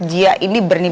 dia ini berni beranik